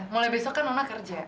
mulai besok kan mama kerja